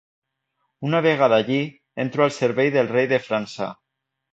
Una vegada allí, entro al servei del rei de França.